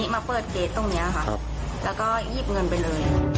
มาเปิดเกสตรงนี้ค่ะแล้วก็หยิบเงินไปเลย